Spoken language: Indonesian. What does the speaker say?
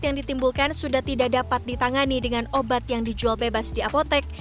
yang ditimbulkan sudah tidak dapat ditangani dengan obat yang dijual bebas di apotek